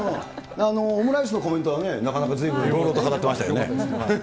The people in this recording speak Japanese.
オムライスのコメントは、なかなかずいぶんいろいろと語ってましたけどね。